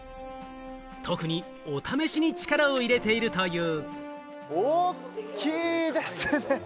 特にお試しに力を入れているという。